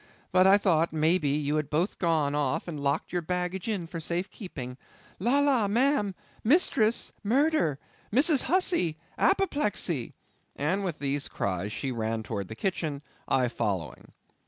But I thought, may be, you had both gone off and locked your baggage in for safe keeping. La! la, ma'am!—Mistress! murder! Mrs. Hussey! apoplexy!"—and with these cries, she ran towards the kitchen, I following.